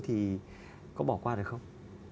thì có bỏ qua được không